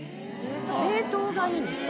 ・冷凍がいいんですか？